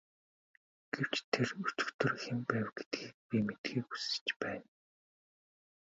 Гэвч тэр өчигдөр хэн байв гэдгийг би мэдэхийг хүсэж байна.